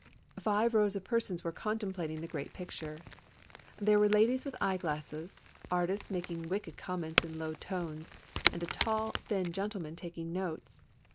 Five rows of persons were contemplating the great picture. There were ladies with eye glasses, artists making wicked comments in low tones, and a tall, thin gentleman taking notes.